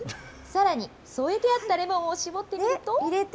さらに、添えてあったレモンを搾ってみると。